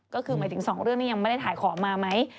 ก็คือหมายถึง๒เรื่องนี้ยังไม่ได้ถ่ายขอมาไหม